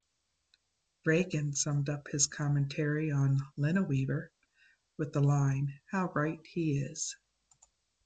Reagan summed up his commentary on Linaweaver with the line, How right he is!